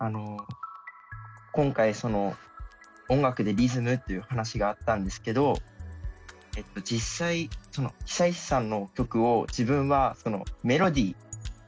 今回音楽でリズムっていう話があったんですけど実際久石さんの曲を自分はメロディー